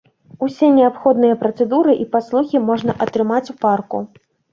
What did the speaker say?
Усе неабходныя працэдуры і паслугі можна атрымаць у парку.